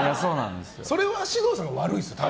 それは獅童さんが悪いですよ、多分。